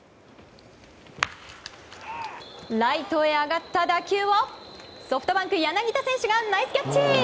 ライトへ上がった打球をソフトバンク柳田選手がナイスキャッチ！